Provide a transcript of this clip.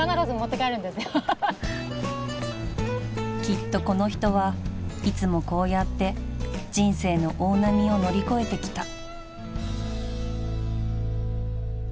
［きっとこの人はいつもこうやって人生の大波を乗り越えてきた］